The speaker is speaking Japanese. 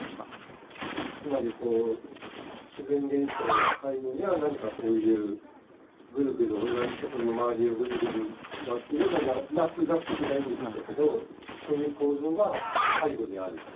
つまりこう自然現象の背後には何かこういうグルグル同じところの周りをグルグル回っているようなまあ数学的な意味でしょうけどそういう構造が背後にあるという。